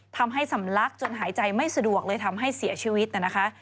ทำให้สำลักจนหายใจไม่สะดวกเลยทำให้เสียชีวิตนะคะ